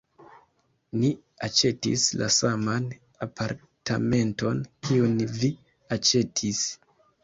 Ni aĉetis la saman apartamenton kiun vi aĉetis.